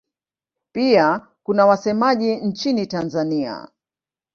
Pia kuna wasemaji nchini Tanzania.